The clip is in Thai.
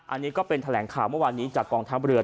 อันนี้ก็เป็นแถลงข่าวเมื่อวานนี้จากกองทัพเรือ